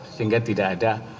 sehingga tidak ada